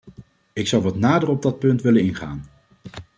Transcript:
Ik zou wat nader op dat punt willen ingaan.